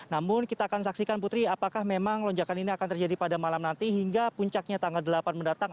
namun kita akan saksikan putri apakah memang lonjakan ini akan terjadi pada malam nanti hingga puncaknya tanggal delapan mendatang